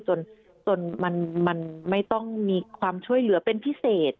จนมันไม่ต้องมีความช่วยเหลือเป็นพิเศษ